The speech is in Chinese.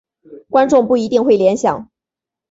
观众不一定会联想。